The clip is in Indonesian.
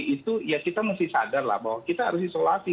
itu ya kita mesti sadar lah bahwa kita harus isolasi